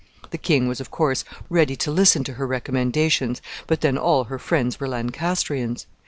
The king was, of course, ready to listen to her recommendations; but then all her friends were Lancastrians.